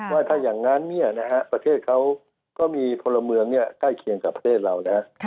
ว่าถ้าอย่างนั้นประเทศเขาก็มีพลเมืองใกล้เคียงกับประเทศเรานะ